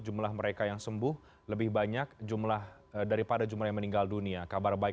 jumlah mereka yang sembuh lebih banyak jumlah daripada jumlah yang meninggal dunia kabar baik